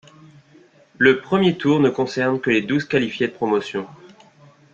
Le premier tour ne concerne que les douze qualifiés de Promotion.